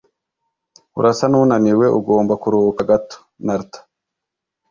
Urasa nunaniwe. Ugomba kuruhuka gato. (Narda)